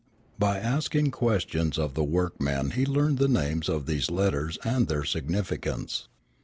By asking questions of the workmen he learned the names of these letters and their significance.